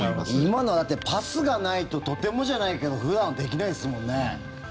今のはだってパスがないととてもじゃないけど普段できないですもんね。